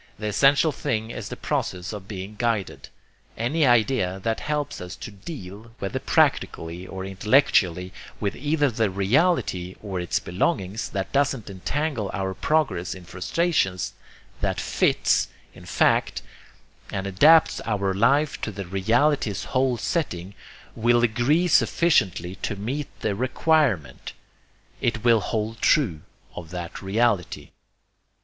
The essential thing is the process of being guided. Any idea that helps us to DEAL, whether practically or intellectually, with either the reality or its belongings, that doesn't entangle our progress in frustrations, that FITS, in fact, and adapts our life to the reality's whole setting, will agree sufficiently to meet the requirement. It will hold true of that reality.